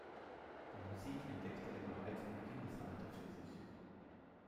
Die Musik entdeckte er bereits im Kindesalter für sich.